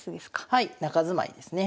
はい中住まいですね。